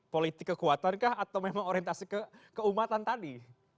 politik kekuatankah atau memang orientasi kekeumatan tadi